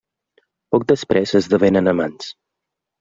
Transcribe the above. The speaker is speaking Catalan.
Poc després esdevenen amants.